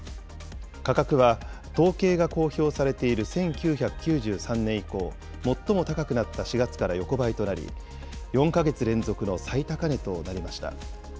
価格は統計が公表されている１９９３年以降、最も高くなった４月から横ばいとなり、４か月連続の最高値となりました。